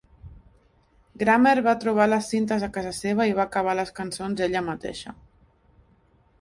Grammer va trobar les cintes a casa seva i va acabar les cançons ella mateixa.